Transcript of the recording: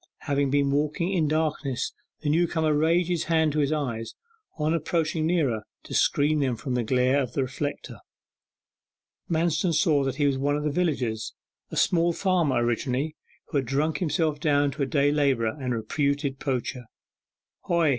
Having been walking in darkness the newcomer raised his hands to his eyes, on approaching nearer, to screen them from the glare of the reflector. Manston saw that he was one of the villagers: a small farmer originally, who had drunk himself down to a day labourer and reputed poacher. 'Hoy!